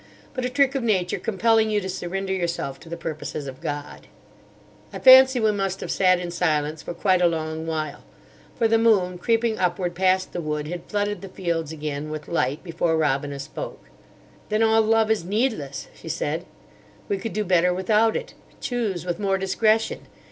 But a trick of Nature compelling you to surrender yourself to the purposes of God." I fancy we must have sat in silence for quite a long while; for the moon, creeping upward past the wood, had flooded the fields again with light before Robina spoke. "Then all love is needless," she said, "we could do better without it, choose with more discretion.